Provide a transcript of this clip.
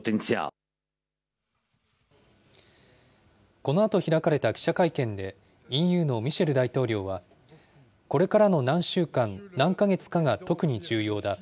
このあと開かれた記者会見で、ＥＵのミシェル大統領は、これからの何週間、何か月かが特に重要だ。